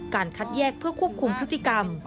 คัดแยกเพื่อควบคุมพฤติกรรม